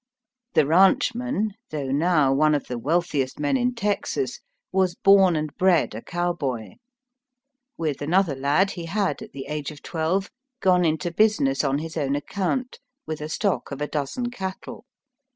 The rancheman, though now one of the wealthiest men in Texas, was born and bred a cowboy. With another lad he had, at the age of twelve, gone into business on his own account, with a stock of a dozen cattle.